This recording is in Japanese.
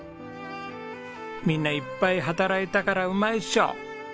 みんないっぱい働いたからうまいでしょ！